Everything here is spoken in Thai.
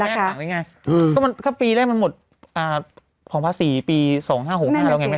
ก็ปีแรกมันหมดของภาษีปี๒๕๖๕แล้วไง